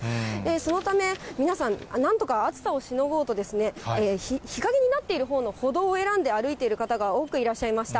そのため、皆さん、なんとか暑さをしのごうとですね、日陰になっているほうの歩道を選んで歩いている方が多くいらっしゃいました。